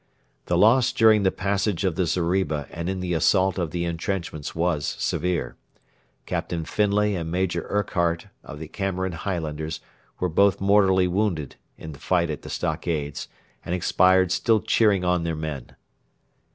The loss during the passage of the zeriba and in the assault of the entrenchments was severe. Captain Findlay and Major Urquhart, of the Cameron Highlanders, were both mortally wounded in the fight at the stockades, and expired still cheering on their men.